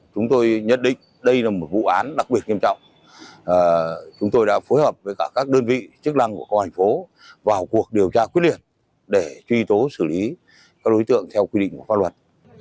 chúng tôi nhận định đây là một vụ án đặc biệt nghiêm trọng chúng tôi đã phối hợp với các đơn vị chức năng của công an thành phố vào cuộc điều tra quyết liệt để truy tố xử lý các đối tượng theo quy định của pháp luật